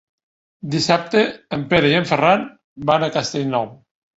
Dissabte en Pere i en Ferran van a Castellnou.